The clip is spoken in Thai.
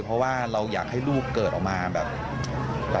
เพราะว่าเราอยากให้ลูกเกิดออกมาแบบ